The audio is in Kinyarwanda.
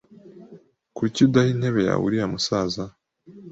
Kuki udaha intebe yawe uriya musaza?